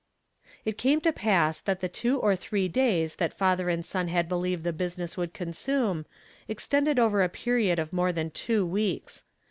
It came to pass that the two or three days that father and son had believed the business would consume extejided over a period of more than two weeks.